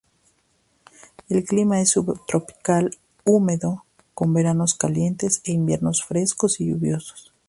El clima es subtropical húmedo, con veranos calientes e inviernos frescos y lluviosos.